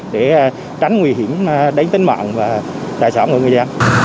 để tránh nguy hiểm đánh tính mạng và đại sản của người dân